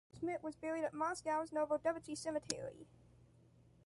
Schmidt was buried at Moscow’s Novodevichy Cemetery.